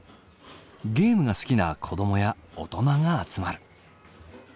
ゲームが好きな子どもや大人が集まる。